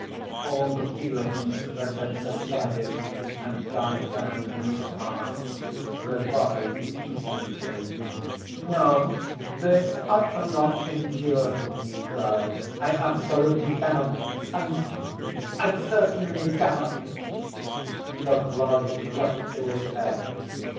All the feelings that had subsided and died down in his heart revived instantly. "No! this I cannot endure!" he cried. "I absolutely cannot! and ... I certainly cannot!" The blood rushed to his head.